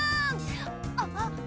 あっ！